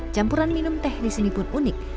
campuran minum teh disini pun unik